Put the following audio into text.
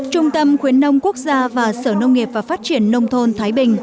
trung tâm khuyến nông quốc gia và sở nông nghiệp và phát triển nông thôn thái bình